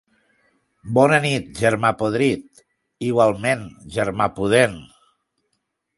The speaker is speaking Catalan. Bona nit, germà podrit! —Igualment, germà pudent!